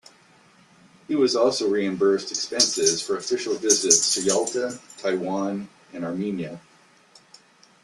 He was also reimbursed expenses for official visits to Yalta, Taiwan and Armenia.